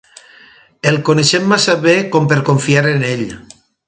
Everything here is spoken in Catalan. El coneixem massa bé com per confiar en ell.